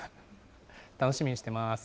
楽しみにしてます。